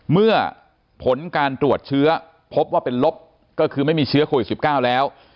เมื่อผลการตรวจเชื้อพบว่าเป็นลบก็คือไม่มีเชื้อโควิด๑๙แล้ว